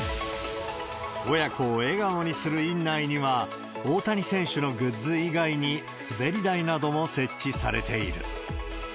親子を笑顔にする院内には、大谷選手のグッズ以外に、滑り台なども設置されている。